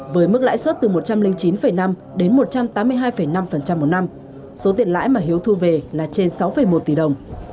với mức lãi suất từ một trăm linh chín năm đến một trăm tám mươi hai năm một năm số tiền lãi mà hiếu thu về là trên sáu một tỷ đồng